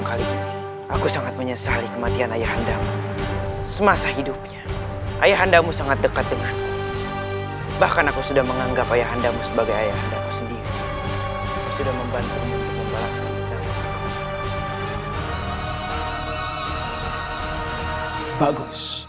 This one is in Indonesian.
aku sangat berterima kasih kepada kamu